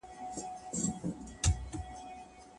نو معلومات زیاتېږي.